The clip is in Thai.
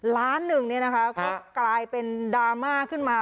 ล้านหนึ่งเนี่ยนะคะก็กลายเป็นดราม่าขึ้นมา